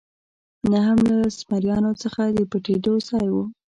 نه هم له زمریانو څخه د پټېدو ځای و.